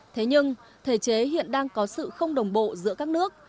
thế nhưng thể chế hiện đang có sự không đồng bộ giữa các nước